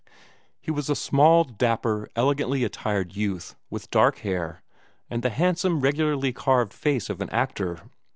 He was a small, dapper, elegantly attired youth, with dark hair, and the handsome, regularly carved face of an actor.